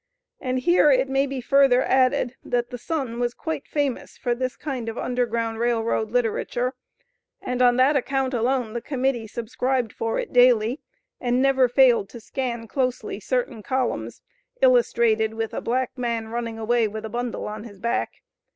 And here it may be further added, that the "Sun" was quite famous for this kind of U.G.R.R. literature, and on that account alone the Committee subscribed for it daily, and never failed to scan closely certain columns, illustrated with a black man running away with a bundle on his back.